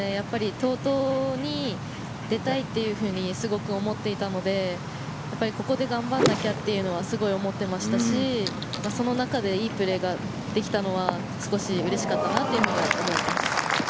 ＴＯＴＯに出たいとすごく思っていたのでここで頑張らなきゃっていうのはすごく思っていましたしその中でその中でいいプレーができたのは少しうれしかったなと思います。